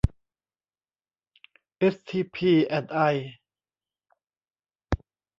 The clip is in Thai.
เอสทีพี แอนด์ ไอ